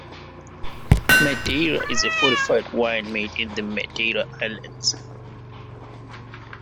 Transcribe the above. Madeira is a fortified wine made in the Madeira Islands.